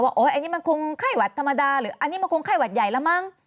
ว่าอันนี้มันคงไข้หวัดธรรมดาหรืออันนี้มันคงไข้หวัดใหญ่แล้วมั้ง